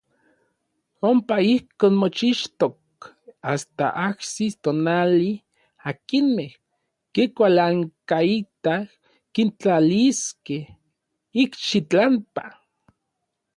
Ompa ijkon mochixtok asta ajsis tonali akinmej kikualankaitaj kintlaliskej ikxitlampa.